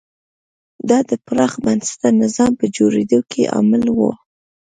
دا د پراخ بنسټه نظام په جوړېدو کې عامل و.